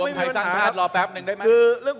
ไทยสร้างชาติรอแป๊บนึงได้ไหม